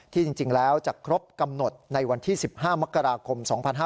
จริงแล้วจะครบกำหนดในวันที่๑๕มกราคม๒๕๕๙